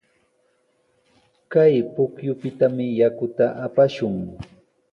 Kay pukyupitami yakuta apashun.